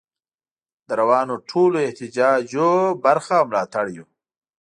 د روانو ټولو احتجاجونو برخه او ملاتړ یو.